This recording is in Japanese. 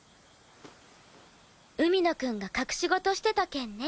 海野くんが隠し事してた件ね。